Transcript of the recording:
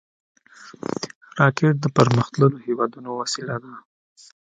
راکټ د پرمختللو هېوادونو وسیله ده